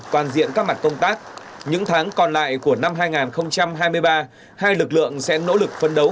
toàn diện các mặt công tác những tháng còn lại của năm hai nghìn hai mươi ba hai lực lượng sẽ nỗ lực phân đấu